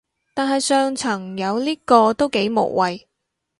但係上層有呢個都幾無謂